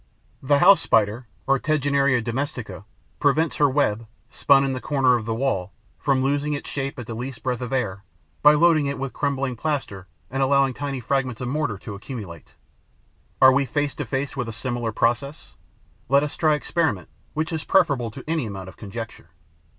The House Spider, or Tegenaria domestica, prevents her web, spun in a corner of the wall, from losing its shape at the least breath of air, by loading it with crumbling plaster and allowing tiny fragments of mortar to accumulate. Are we face to face with a similar process? Let us try experiment, which is preferable to any amount of conjecture.